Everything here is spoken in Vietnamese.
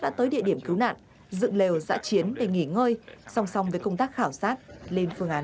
đã tới địa điểm cứu nạn dựng lều giã chiến để nghỉ ngơi song song với công tác khảo sát lên phương án